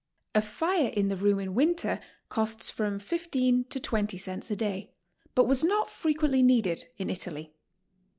fire in the room in winter costs from 15 to 20 cents a day, but was not frequently needed, in Italy.